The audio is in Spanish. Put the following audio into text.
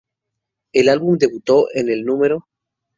El álbum debutó en el No.